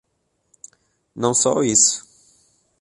Não só isso.